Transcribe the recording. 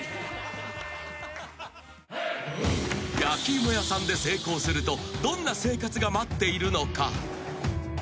［焼き芋屋さんで成功するとどんな生活が待っているのか？］